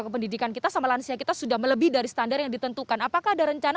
kependidikan kita sama lansia kita sudah melebih dari standar yang ditentukan apakah ada rencana